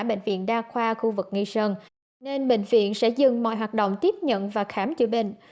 bệnh viện đa khoa khu vực nghi sơn nên bệnh viện sẽ dừng mọi hoạt động tiếp nhận và khám chữa bệnh